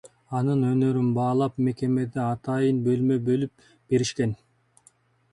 Анын өнөрүн баалап мекемеде атайын бөлмө бөлүп беришкен.